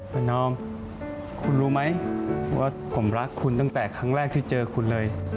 ประนอมคุณรู้ไหมว่าผมรักคุณตั้งแต่ครั้งแรกที่เจอคุณเลย